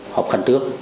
họp khẩn trước